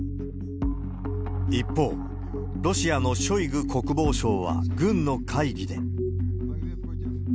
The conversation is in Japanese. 一方、ロシアのショイグ国防相は軍の会議で。